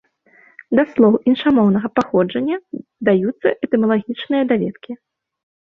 Да слоў іншамоўнага паходжання даюцца этымалагічныя даведкі.